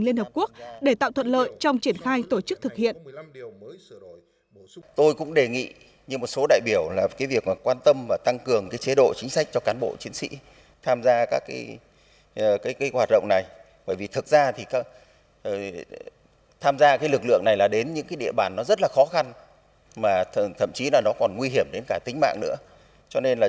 liên hợp quốc để tạo thuận lợi trong triển khai tổ chức thực hiện